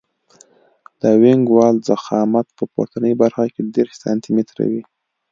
د وینګ وال ضخامت په پورتنۍ برخه کې دېرش سانتي متره وي